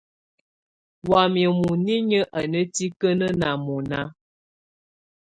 Wamɛ̀á muninyǝ́ á ná tikǝ́nǝ́ ná mɔ̀na.